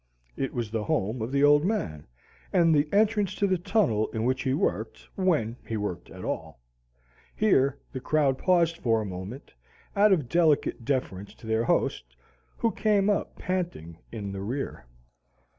It was the home of the Old Man, and the entrance to the tunnel in which he worked when he worked at all. Here the crowd paused for a moment, out of delicate deference to their host, who came up panting in the rear.